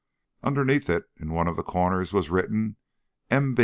Underneath it in one of the corners was written, "M.